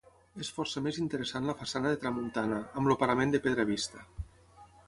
És força més interessant la façana de tramuntana, amb el parament de pedra vista.